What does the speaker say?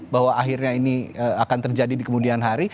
bahwa akhirnya ini akan terjadi di kemudian hari